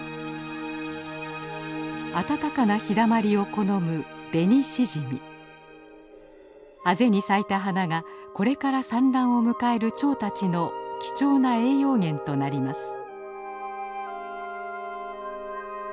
暖かな日だまりを好むあぜに咲いた花がこれから産卵を迎える蝶たちの貴重な栄養源となります。